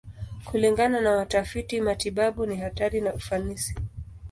Kulingana na watafiti matibabu, ni hatari na ufanisi.